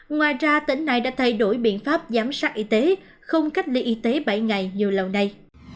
ngoài ra tỉnh này đã thay đổi biện pháp giám sát y tế không cách ly y tế bảy ngày như lâu nay